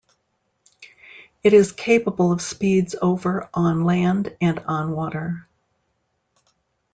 It is capable of speeds over on land and on water.